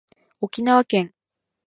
沖縄県